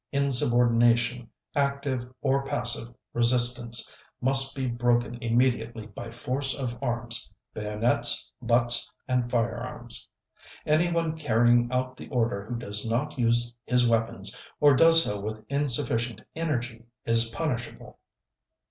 Insubordination, active or passive resistance, must be broken immediately by force of arms (bayonets, butts, and firearms) .... Anyone carrying out the order who does not use his weapons, or does so with insufficient energy, is punishable